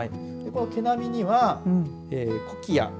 毛並みには、コキア。